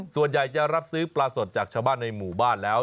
ส่วนใหญ่จะรับซื้อปลาสดจากชาวบ้านในหมู่บ้านแล้ว